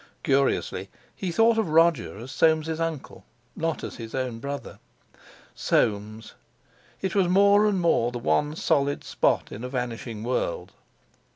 Curiously he thought of Roger as Soames' uncle not as his own brother. Soames! It was more and more the one solid spot in a vanishing world.